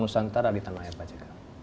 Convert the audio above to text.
nusantara di tanah air pak jk